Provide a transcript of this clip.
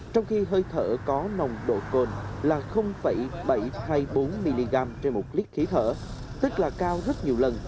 trong khi hơi thở có nồng độ cồn là bảy trăm hai mươi bốn mg trên một lít khí thở tức là cao rất nhiều lần